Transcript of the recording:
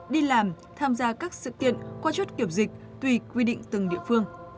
thảm tham gia các sự kiện qua chốt kiểm dịch tùy quy định từng địa phương